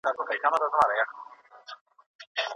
ژبپوهنه او ادبیات له بل سره نږدې اړیکي لري.